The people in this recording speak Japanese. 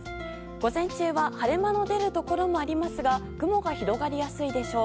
午前中は晴れ間の出るところもありますが雲が広がりやすいでしょう。